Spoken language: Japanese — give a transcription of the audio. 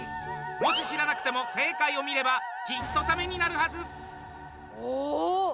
もし知らなくても正解を見ればきっとタメになるはず。